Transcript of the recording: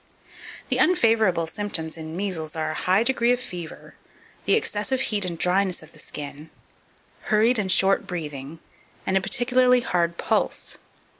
2551. The unfavourable symptoms in measles are a high degree of fever, the excessive heat and dryness of the skin, hurried and short breathing, and a particularly hard pulse.